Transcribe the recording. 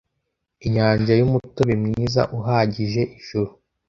Inyanja y'umutobe mwiza uhagije ijuru.